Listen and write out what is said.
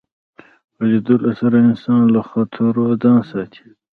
په لیدلو سره انسان له خطرو ځان ساتي